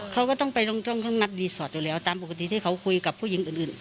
เขาก็ต้องไปต้องนัดรีสอร์ทอยู่แล้วตามปกติที่เขาคุยกับผู้หญิงอื่น